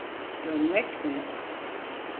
Dönmek mi?